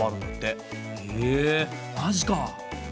へえマジか！